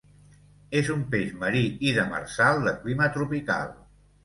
És un peix marí i demersal de clima tropical.